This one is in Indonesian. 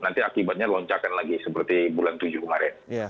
nanti akibatnya loncakan lagi seperti bulan tujuh kemarin